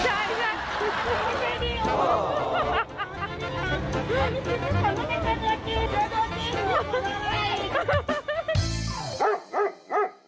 ใช่